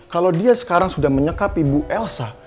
kalau dia sekarang sudah menyekap ibu elsa